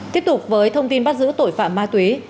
tiếp tục với thông tin bắt giữ tội phạm ma túy